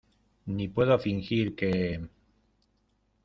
ni puedo fingir que...